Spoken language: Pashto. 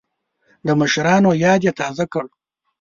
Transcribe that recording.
د مشرانو یاد یې تازه کړ.